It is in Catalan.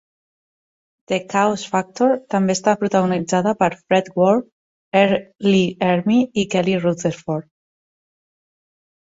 "The Chaos Factor" també està protagonitzada per Fred Ward, R. Lee Ermey i Kelly Rutherford.